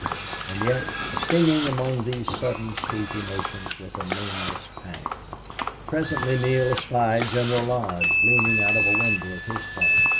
And yet, stinging among these sudden sweet emotions was a nameless pang. Presently Neale espied General Lodge leaning out of a window of his car.